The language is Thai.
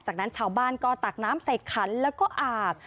จากนั้นชาวบ้านก็ตักน้ำใส่ขันแล้วก็อาบ